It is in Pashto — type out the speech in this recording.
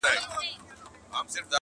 ستا دي تاج وي همېشه، لوړ دي نښان وي!